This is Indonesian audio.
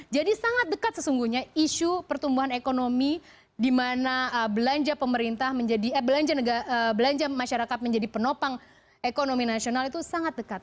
jadi sangat dekat sesungguhnya isu pertumbuhan ekonomi di mana belanja masyarakat menjadi penopang ekonomi nasional itu sangat dekat